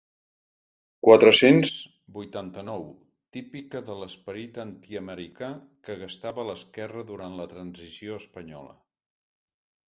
Quatre-cents vuitanta-nou típica de l'esperit antiamericà que gastava l'esquerra durant la transició espanyola.